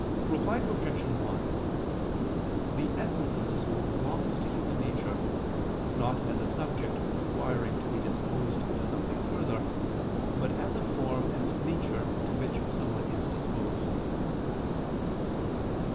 Reply Obj. 1: The essence of the soul belongs to human nature, not as a subject requiring to be disposed to something further, but as a form and nature to which someone is disposed.